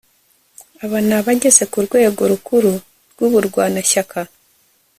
aba ni abageze ku rwego rukuru rw'uburwanashyaka